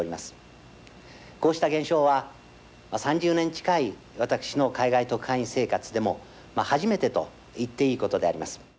こうした現象は３０年近い私の海外特派員生活でも初めてといっていいことであります。